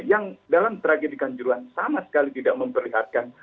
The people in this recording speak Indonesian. yang dalam tragedi kanjuruhan sama sekali tidak memperlihatkan